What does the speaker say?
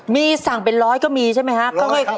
มีสั่งเป็นร้อยก็มีใช่ไหมครับ